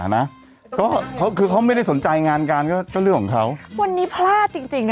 นะก็คือเขาคือเขาไม่ได้สนใจงานการก็ก็เรื่องของเขาวันนี้พลาดจริงจริงอ่ะ